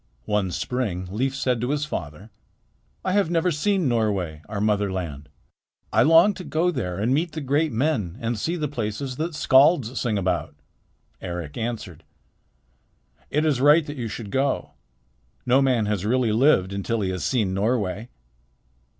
One spring Leif said to his father: "I have never seen Norway, our mother land. I long to go there and meet the great men and see the places that skalds sing about." Eric answered: "It is right that you should go. No man has really lived until he has seen Norway."